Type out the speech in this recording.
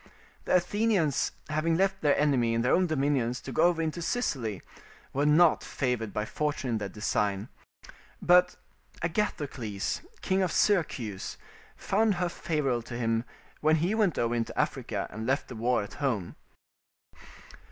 The Athenians having left the enemy in their own dominions to go over into Sicily, were not favoured by fortune in their design; but Agathocles, king of Syracuse, found her favourable to him when he went over into Africa and left the war at home.